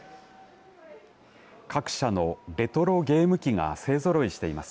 各社のレトロゲーム機が勢ぞろいしています。